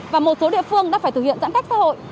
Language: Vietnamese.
và một số địa phương đã phải thực hiện giãn cách xã hội